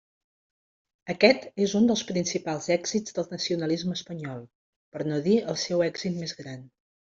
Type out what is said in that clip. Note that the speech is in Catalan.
Aquest és un dels principals èxits del nacionalisme espanyol, per no dir el seu èxit més gran.